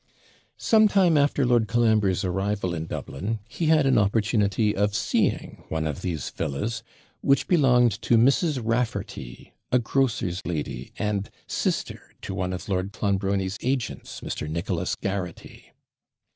Some time after Lord Colambre's arrival in Dublin, he had an opportunity of seeing one of these villas, which belonged to Mrs. Raffarty, a grocer's lady, and sister to one of Lord Clonbrony's agents, Mr. Nicholas Garraghty.